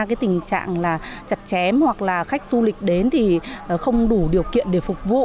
cái tình trạng là chặt chém hoặc là khách du lịch đến thì không đủ điều kiện để phục vụ